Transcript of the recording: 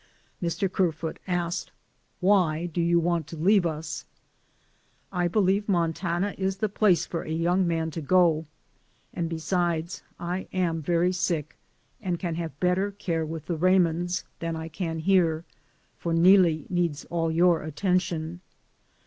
Mr. Kerfoot asked, "Why do you want to leave us ?" "I believe Montana is the place for a young man to go, and besides I am very sick and can have better care with the Raymonds than I can here, for Neelie needs all your attention."